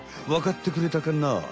わかってくれたかな？